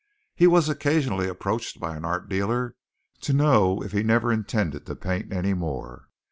He was occasionally approached by an art dealer to know if he never intended to paint any more.